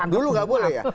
dulu gak boleh ya